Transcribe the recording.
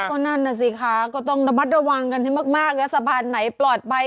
ก็นั่นน่ะสิคะก็ต้องระมัดระวังกันให้มากนะสะพานไหนปลอดภัย